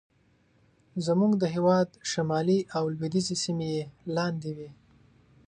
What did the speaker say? زموږ د هېواد شمالي او لوېدیځې سیمې یې لاندې وې.